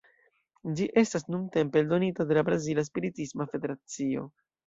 Ĝi estas nuntempe eldonita de la Brazila Spiritisma Federacio.